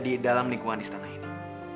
di dalam lingkungan istana ini